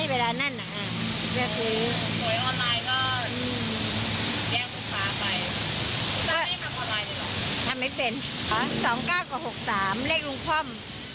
แยกบุคคลาไปไม่เป็นสองเก้ากว่าหกสามเลขลุงค่อม